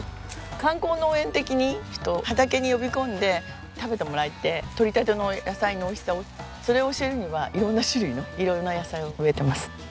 観光農園的に人を畑に呼び込んで食べてもらって採りたての野菜の美味しさをそれを教えるには色んな種類の色んな野菜を植えてます。